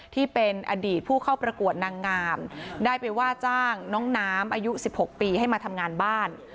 ที่เป็นอดีตผู้เข้าประกวดนางงามได้ไปว่าจ้างน้องน้ำอายุ๑๖ปีให้มาทำงานบ้าน